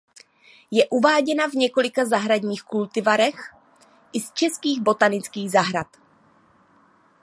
Je uváděna v několika zahradních kultivarech i z českých botanických zahrad.